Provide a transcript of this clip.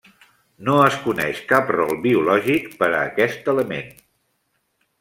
No es coneix cap rol biològic per aquest element.